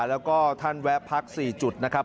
แล้วก็ท่านแวะพัก๔จุดนะครับ